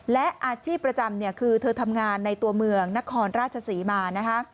และอาชีพประจำคือเธอทำงานในตัวเมืองนครราชศรีมานะคะ